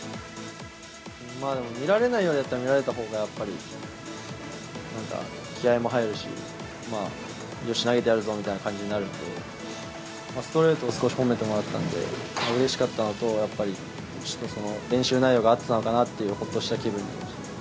見られないよりは、見られるほうがやっぱりなんか、気合いも入るし、まあ、よし、投げてやるぞみたいな感じになるので、ストレートを少し褒めてもらったんで、うれしかったのと、やっぱり練習内容が合ってたのかなって、ほっとした気分。